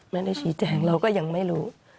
ไม่ได้ชี้แจงเราก็ยังไม่รู้